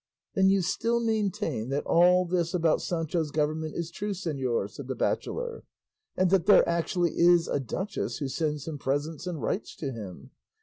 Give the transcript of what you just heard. "Then you still maintain that all this about Sancho's government is true, señor," said the bachelor, "and that there actually is a duchess who sends him presents and writes to him?